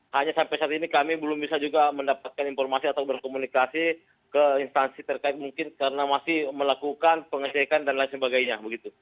hanya sampai saat ini kami belum bisa juga mendapatkan informasi atau berkomunikasi ke instansi terkait mungkin karena masih melakukan pengecekan dan lain sebagainya